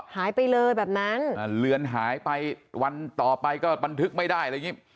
หายไปเลยแบบนั้นเหลือนหายไปวันต่อไปก็บันทึกไม่ได้